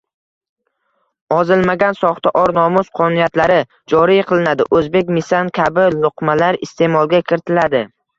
ozilmagan soxta or-nomus qonuniyatlari «joriy» qilinadi, «o‘zbekmisan» kabi luqmalar iste’molga kiritiladi.